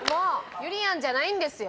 ゆりやんじゃないんですよ。